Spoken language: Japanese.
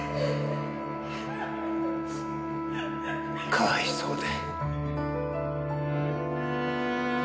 かわいそうで。